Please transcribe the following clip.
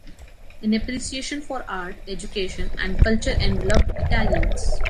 An appreciation for art, education, and culture enveloped Italians.